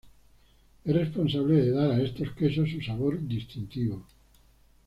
Es responsable de dar a estos quesos su sabor distintivo.